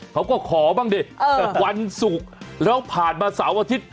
เขาก็ขอบ้างดิแต่วันศุกร์แล้วผ่านมาเสาร์อาทิตย์